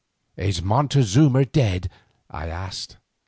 "Is Montezuma dead?" I asked.